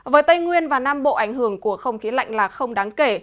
với tây nguyên và nam bộ ảnh hưởng của không khí lạnh là không đáng kể